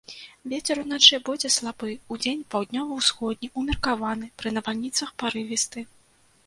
Вецер уначы будзе слабы, удзень паўднёва-ўсходні, умеркаваны, пры навальніцах парывісты.